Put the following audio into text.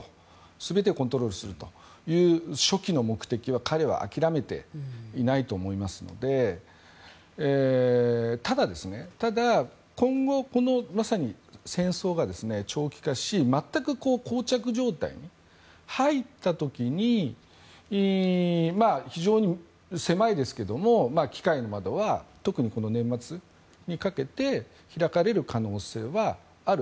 全てをコントロールするという初期の目標は彼は諦めていないと思いますのでただ、今後このまさに戦争が長期化し全くこう着状態に入った時に非常に狭いですけども機会の窓は特にこの年末にかけて開かれる可能性はある。